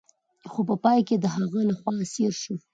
خو په پای کې د هغه لخوا اسیر شو.